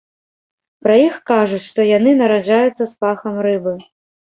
Пра іх кажуць, што яны нараджаюцца з пахам рыбы.